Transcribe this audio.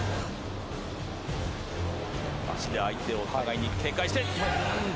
足で相手を互いに警戒して。